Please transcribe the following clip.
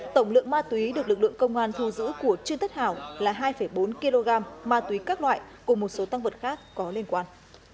tổng lượng ma túy được lực lượng công an thu giữ của trương tất hảo là hai bốn kg ma túy các loại cùng một số tăng vật khác có liên quan